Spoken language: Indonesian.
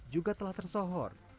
juga telah tersohor